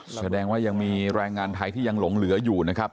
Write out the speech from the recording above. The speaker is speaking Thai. แสดงว่ายังมีแรงงานไทยที่ยังหลงเหลืออยู่นะครับ